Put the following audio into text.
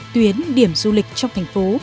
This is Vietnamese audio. tuyến điểm du lịch trong thành phố